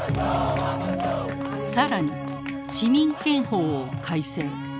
更に市民権法を改正。